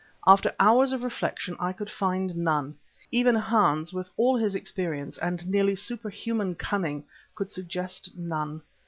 After hours of reflection I could find none. Even Hans, with all his experience and nearly superhuman cunning, could suggest none.